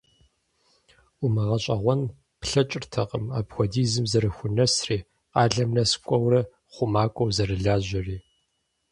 УмыгъэщӀэгъуэн плъэкӀыртэкъым апхуэдизым зэрыхунэсри, къалэм нэс кӀуэурэ, хъумакӀуэу зэрылажьэри.